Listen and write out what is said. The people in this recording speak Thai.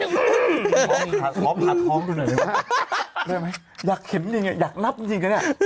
ได้ไหมอยากเห็นอย่างนี้อยากรับอย่างนี้